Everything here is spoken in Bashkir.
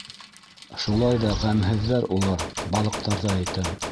Шулай ҙа ғәмһеҙҙәр улар, балыҡтарҙы әйтәм.